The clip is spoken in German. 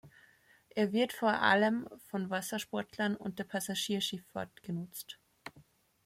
Er wird vor allem von Wassersportlern und der Passagierschifffahrt genutzt.